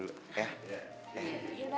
gak apa apa ya